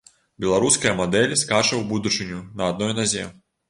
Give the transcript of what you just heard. Беларуская мадэль скача ў будучыню на адной назе.